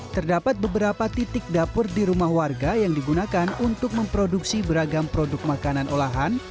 terdapat beberapa titik dapur di rumah warga yang digunakan untuk memproduksi beragam produk makanan olahan